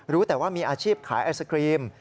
รู้แต่ว่ามีอาชีพขายไอศครีม